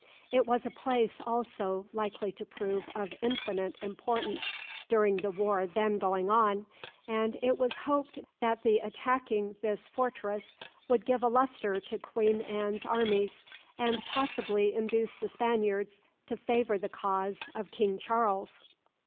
It was a place, also, likely to prove of infinite importance during the war then going on, and it was hoped that the attacking this fortress would give a lustre to Queen Anne's armies, and possibly induce the Spaniards to favour the cause of King Charles.